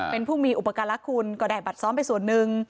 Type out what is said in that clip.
เป็นผู้มีอุปการละคุณก็ได้บัตรซ้อมไปส่วนหนึ่ง